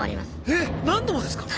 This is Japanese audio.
えっ何度もですか？